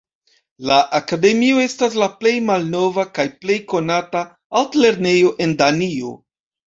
La akademio estas la plej malnova kaj plej konata altlernejo en Danio.